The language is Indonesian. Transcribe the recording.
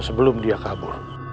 sebelum dia kabur